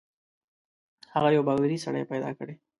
هغه یو باوري سړی پیدا کړي.